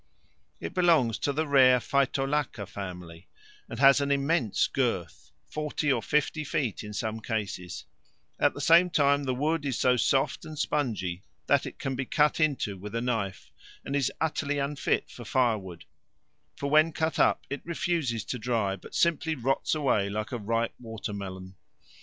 It belongs to the rare Phytolacca family, and has an immense girth forty or fifty feet in some cases; at the same time the wood is so soft and spongy that it can be cut into with a knife, and is utterly unfit for firewood, for when cut up it refuses to dry, but simply rots away like a ripe water melon.